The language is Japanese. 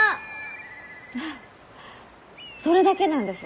フッそれだけなんです。